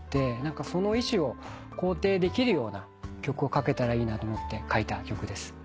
その意思を肯定できるような曲を書けたらいいなと思って書いた曲です。